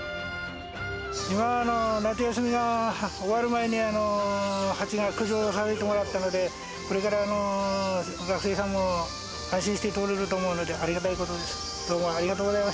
今の夏休みが終わる前に、ハチを駆除してもらえたので、これから学生さんも安心して通れると思うので、ありがたいことです。